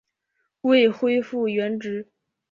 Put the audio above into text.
未恢复原职